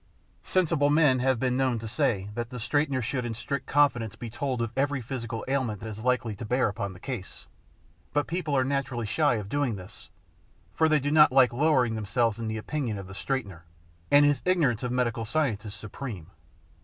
Sensible men have been known to say that the straightener should in strict confidence be told of every physical ailment that is likely to bear upon the case; but people are naturally shy of doing this, for they do not like lowering themselves in the opinion of the straightener, and his ignorance of medical science is supreme.